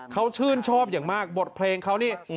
เขาชื่นชอบอย่างมากบทเพลงเขานี่